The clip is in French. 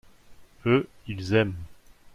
eux, ils aiment.